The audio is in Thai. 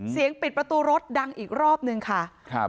ปิดประตูรถดังอีกรอบนึงค่ะครับ